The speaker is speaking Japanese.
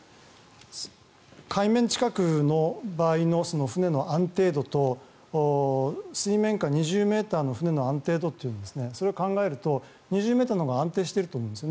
海面近くの場合の船の安定度と水面下２０ｍの船の安定度というのはそれを考えると２０ｍのほうが安定していると思います。